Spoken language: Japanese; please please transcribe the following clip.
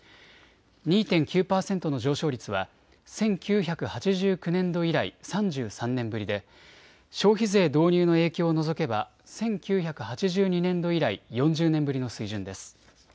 ２．９％の上昇率は１９８９年度以来、３３年ぶりで消費税導入の影響を除けば１９８２年度以来４０年ぶりの水準です。